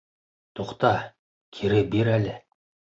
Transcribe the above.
Туҡта, кире бир әле.